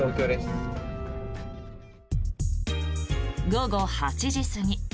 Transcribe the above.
午後８時過ぎ